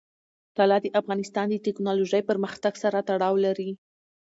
طلا د افغانستان د تکنالوژۍ پرمختګ سره تړاو لري.